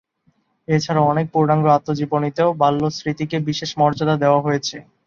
এ ছাড়া অনেক পূর্ণাঙ্গ আত্মজীবনীতেও বাল্যস্মৃতিকে বিশেষ মর্যাদা দেওয়া হয়েছে।